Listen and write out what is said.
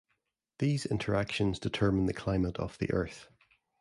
These interactions determine the climate of the Earth.